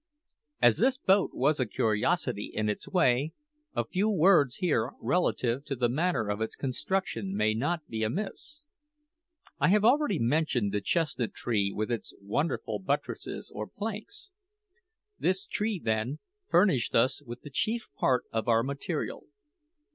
As this boat was a curiosity in its way, a few words here relative to the manner of its construction may not be amiss. I have already mentioned the chestnut tree with its wonderful buttresses or planks. This tree, then, furnished us with the chief part of our material.